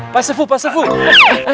pak saiful pak saiful